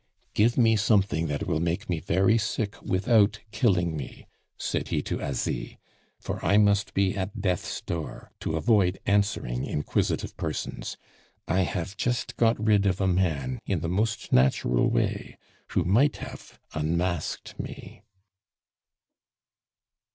"Give me something that will make me very sick without killing me," said he to Asie; "for I must be at death's door, to avoid answering inquisitive persons. I have just got rid of a man in the most natural way, who might have unmasked me."